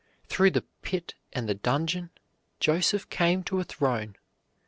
Through the pit and the dungeon Joseph came to a throne.